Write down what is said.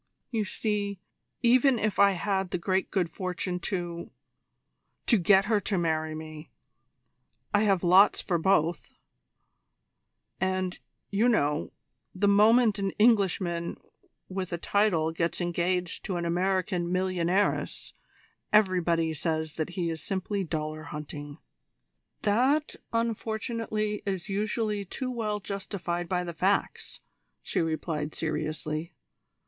You see, even if I had the great good fortune to to get her to marry me, I have lots for both; and, you know, the moment an Englishman with a title gets engaged to an American millionairess everybody says that he is simply dollar hunting." "That, unfortunately, is usually too well justified by the facts," she replied seriously.